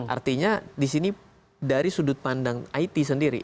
artinya di sini dari sudut pandang it sendiri